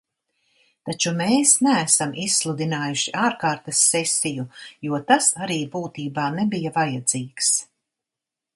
Taču mēs neesam izsludinājuši ārkārtas sesiju, jo tas arī būtībā nebija vajadzīgs.